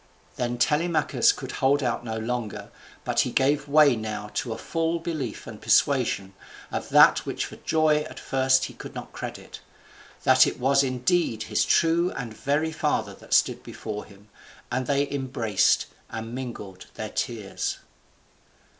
Then Telemachus could hold out no longer, but he gave way now to a full belief and persuasion, of that which for joy at first he could not credit, that it was indeed his true and very father that stood before him; and they embraced, and mingled their tears.